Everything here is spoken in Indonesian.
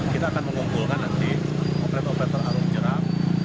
kita akan mengumpulkan nanti operator operator arung jeram